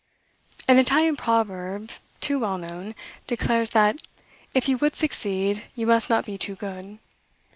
An Italian proverb, too well known, declares that, "if you would succeed, you must not be too good."